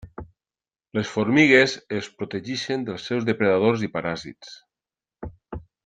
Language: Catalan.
Les formigues els protegeixen dels seus depredadors i paràsits.